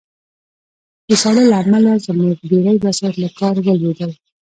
د ساړه له امله زموږ ډېری وسایط له کار ولوېدل